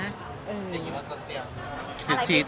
อย่างงี้มันจะเตียบ